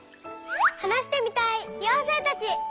はなしてみたいようせいたち！